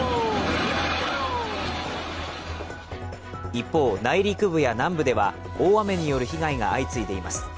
一方、内陸部や南部では大雨による被害が相次いでいます。